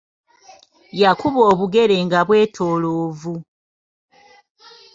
Yakuba obugere nga bwetoolovu.